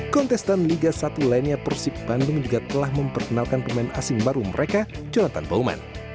kontestan liga satu lainnya persibandung juga telah memperkenalkan pemain asing baru mereka jonathan baumann